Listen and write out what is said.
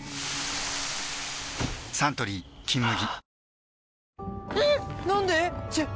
サントリー「金麦」